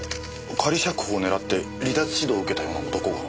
仮釈放をねらって離脱指導を受けたような男が。